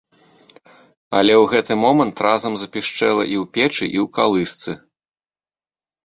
Але ў гэты момант разам запішчэла і ў печы, і ў калысцы.